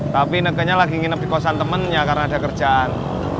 tapi neganya lagi nginep di kosan temennya karena ada kerjaan